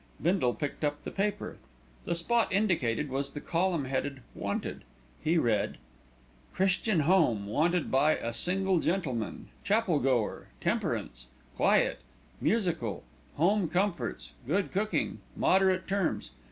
Bindle picked up the paper. The spot indicated was the column headed "Wanted." He read: "CHRISTIAN HOME wanted by a single gentleman, chapel goer, temperance, quiet, musical, home comforts, good cooking, moderate terms.